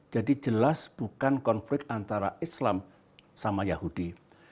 jadi jelas bukan konflik antara islam sama yahudi